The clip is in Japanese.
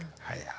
はい。